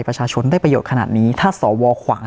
ประชาชนได้ประโยชน์ขนาดนี้ถ้าสวขวาง